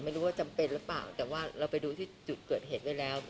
จำเป็นหรือเปล่าแต่ว่าเราไปดูที่จุดเกิดเหตุไว้แล้ว